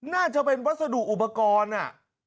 น่าจะเป็นวัสดุอุปกรณ์